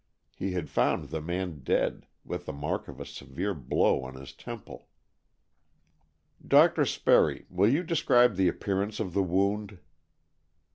He had found the man dead, with the mark of a severe blow on his temple. "Dr. Sperry, will you describe the appearance of the wound?"